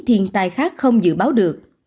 thiệt tai khác không dự báo được